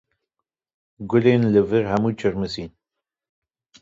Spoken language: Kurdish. Gulên li vir hemû çilmisîn.